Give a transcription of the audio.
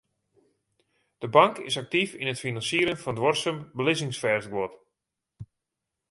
De bank is aktyf yn it finansierjen fan duorsum belizzingsfêstguod.